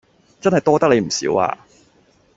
真係多得你唔少啊